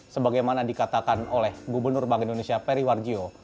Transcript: sebagaimana dikatakan oleh gubernur bank indonesia periwarjo